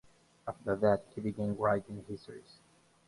After that he began writing histories.